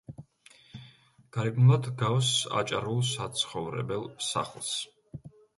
გარეგნულად ჰგავს აჭარულ საცხოვრებელ სახლს.